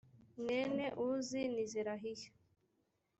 mwene uzi ni zerahiya